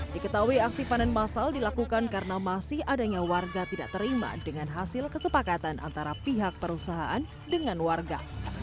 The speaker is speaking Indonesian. diketahui aksi panen masal dilakukan karena masih adanya warga tidak terima dengan hasil kesepakatan antara pihak perusahaan dengan warga